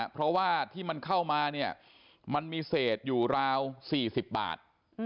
เพราะว่าที่มันเข้ามาเนี่ยมันมีเศษอยู่ราว๔๐บาท